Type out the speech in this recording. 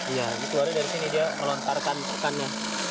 iya dikeluarin dari sini dia melontarkan ikannya